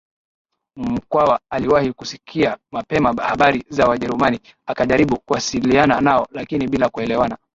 Mkwawa aliwahi kusikia mapema habari za Wajerumani akajaribu kuwasiliana nao lakini bila kuelewana